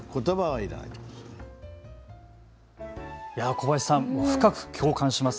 小林さん、深く共感します。